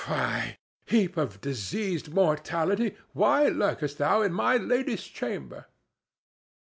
Fie! Heap of diseased mortality, why lurkest thou in my lady's chamber?"